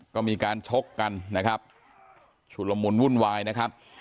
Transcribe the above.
ก็มีการชกกันนะครับชุดละมุนวุ่นวายนะครับ